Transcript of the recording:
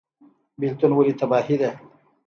بیلتون ولې تباهي ده؟